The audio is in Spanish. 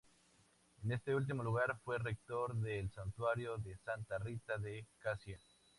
En este último lugar fue rector del Santuario de Santa Rita de Casia.